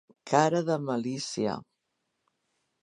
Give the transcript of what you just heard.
Cara de malícia.